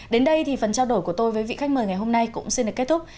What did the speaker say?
đến đây thì phần trao đổi của tôi với vị khách mời ngày hôm nay cũng xin được kết thúc